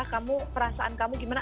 kamu perasaan kamu gimana